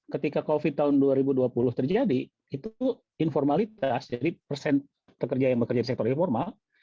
ketika covid tahun dua ribu dua puluh terjadi itu informalitas jadi persen pekerja yang bekerja di sektor informal